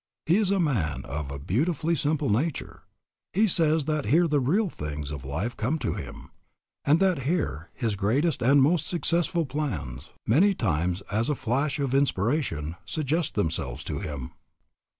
He is a man of a beautifully simple nature. He says that here the real things of life come to him, and that here his greatest and most successful plans, many times as by a flash of inspiration, suggest themselves to him.